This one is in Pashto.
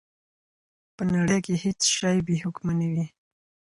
په نړۍ کي هیڅ شی بې حکمه نه وي.